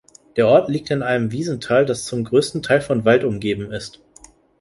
Der Ort liegt in einem Wiesental, das zum größten Teil von Wald umgeben ist.